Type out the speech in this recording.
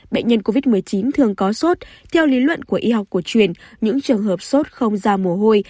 bệnh nhân covid một mươi chín thường có sốt theo lý luận của y học cổ truyền những trường hợp sốt không ra mồ hôi